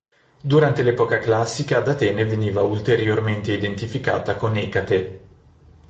Durante l'epoca classica ad Atene veniva ulteriormente identificata con Ecate.